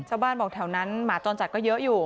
ชาวบ้านบอกแถวนั้นหมาจรจัดก็เยอะอยู่